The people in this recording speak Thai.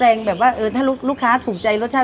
แต่แบบว่าถ้าลูกค้าถูกใจรสชาติ